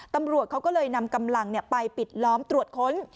ตำรวจเขาก็เลยนำกำลังไปปิดล้อมตรวจค้น